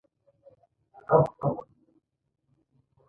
ازموینه کې نشئ کامیابدلی